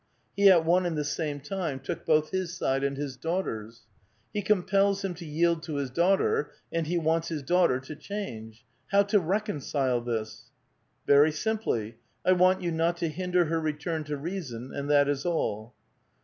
He at one and the same time took both his side and his daughter's. He com pels him to yield to his daughter, and he wants his daughter to change ; how to reconcile this ?" Very simply. I want you not to hinder her return to reason, and that is all."